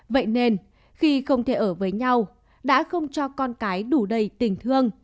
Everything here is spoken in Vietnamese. vậy nên khi không thể ở với nhau đã không cho con cái đủ đầy tình thương